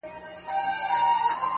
دا ستا چي گرانې ستا تصوير په خوب وويني